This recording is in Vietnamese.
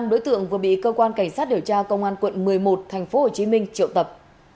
năm đối tượng vừa bị cơ quan cảnh sát điều tra công an quận một mươi một tp hcm triệu tập